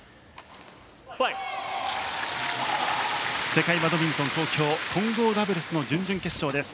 世界バドミントン東京混合ダブルスの準々決勝です。